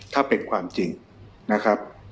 ถ้าเป็นความจริงนะครับ